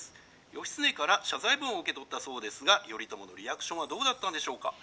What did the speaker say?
義経から謝罪文を受け取ったそうですが頼朝のリアクションはどうだったんでしょうか？』。